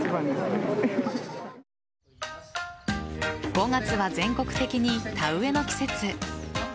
５月は全国的に田植えの季節。